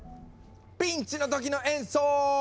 ピンチの時の演奏！